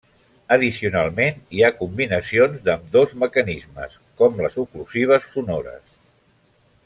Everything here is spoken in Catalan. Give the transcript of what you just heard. Addicionalment hi ha combinacions d'ambdós mecanismes, com les oclusives sonores.